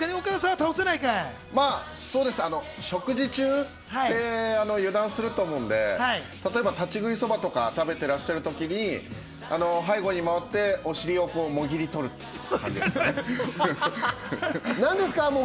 食事中って油断すると思うので、立ち食いそばとかを食べてらっしゃる時に背後に回ってお尻をもぎりとるっていう。